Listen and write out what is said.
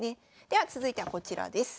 では続いてはこちらです。